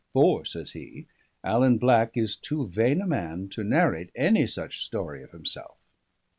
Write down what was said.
"For," says he, "Alan Black is too vain a man to narrate any such story of himself."